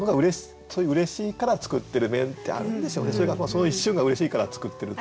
その一瞬がうれしいから作ってるという面が。